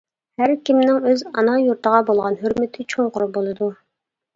ھەركىمنىڭ ئۆز ئانا يۇرتىغا بولغان ھۆرمىتى چوڭقۇر بولىدۇ.